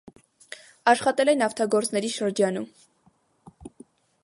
Աշխատել է նավթագործների շրջանում։